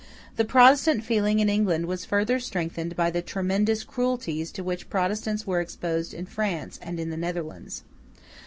The Protestant feeling in England was further strengthened by the tremendous cruelties to which Protestants were exposed in France and in the Netherlands.